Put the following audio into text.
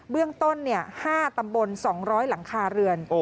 เบื้องต้น๕ตำบล๒๐๐หลังคาเรือน